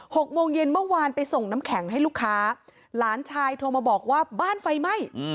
หกโมงเย็นเมื่อวานไปส่งน้ำแข็งให้ลูกค้าหลานชายโทรมาบอกว่าบ้านไฟไหม้